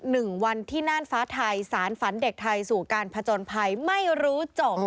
หนึ่งวันที่น่านฟ้าไทยสารฝันเด็กไทยสู่การผจญภัยไม่รู้จบ